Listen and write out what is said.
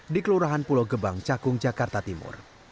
di kelurahan pulau gebang cakung jakarta timur